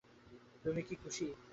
তুমি কি খুশি?